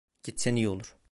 Gitsen iyi olur.